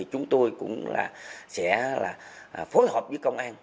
chúng tôi cũng sẽ phối hợp với công an